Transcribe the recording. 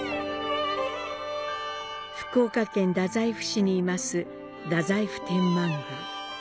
福岡県太宰府市に坐す、太宰府天満宮。